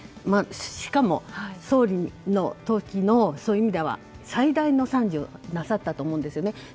しかも、総理の時のそういう意味では最大の賛辞をなさったと思うんです。